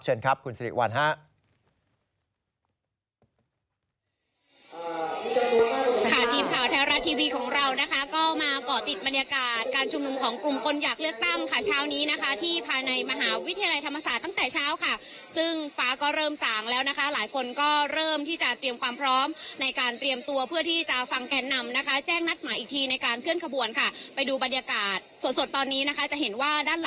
เชิญครับคุณสิริวัณฮะ